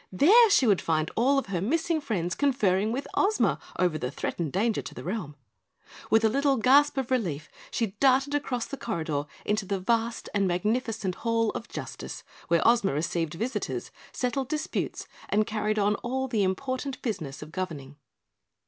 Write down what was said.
THERE she would find all of her missing friends conferring with Ozma over the threatened danger to the realm. With a little gasp of relief, she darted across the corridor into the vast and magnificent Hall of Justice where Ozma received visitors, settled disputes, and carried on all the important business of governing.